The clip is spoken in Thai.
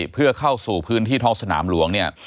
เพื่อเข้าสู่พื้นที่ท้องสนามหลวงเนี่ย